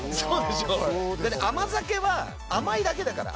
甘酒は甘いだけだから。